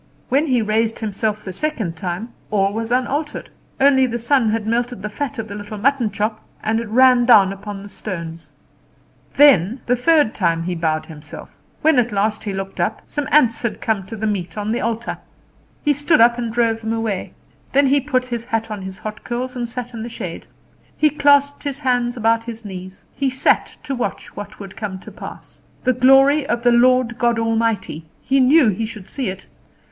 When he raised himself the second time all was unaltered. Only the sun had melted the fat of the little mutton chop, and it ran down upon the stones. Then, the third time he bowed himself. When at last he looked up, some ants had come to the meat on the altar. He stood up and drove them away. Then he put his hat on his hot curls, and sat in the shade. He clasped his hands about his knees. He sat to watch what would come to pass. The glory of the Lord God Almighty! He knew he should see it.